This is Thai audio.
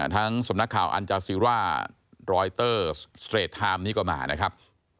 ทั้งสำนักข่าวอัลจาซีรารอยเตอร์สเตรทามนี่ก็มานะครับ